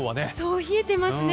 冷えていますね。